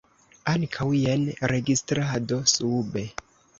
Ankaŭ jen registrado sube.